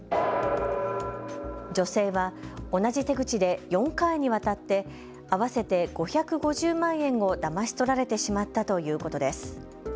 女性は同じ手口で４回にわたって合わせて５５０万円をだまし取られてしまったということです。